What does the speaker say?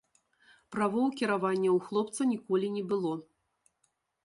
Правоў кіравання ў хлопца ніколі не было.